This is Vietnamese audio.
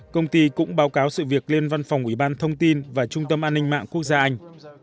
công ty cũng báo cáo sự việc lên văn phòng ủy ban thông tin và trung tâm an ninh mạng quốc gia anh